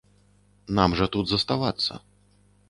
Нам жа тут заставацца.